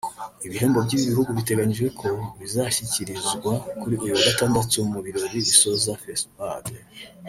Ibihembo by’ibi bihugu biteganijwe ko bazabishyikirizwa kuri uyu wa gatandatu mu birori bisoza Fespad